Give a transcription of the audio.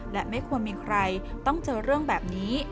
และไม่ควรมีใครต้องเจอเรื่องแบบนี้